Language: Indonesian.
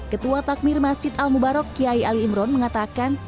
ketua takmir masjid al mubarok kiai ali imron mengatakan